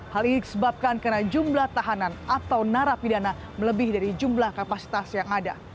hal ini disebabkan karena jumlah tahanan atau narapidana melebih dari jumlah kapasitas yang ada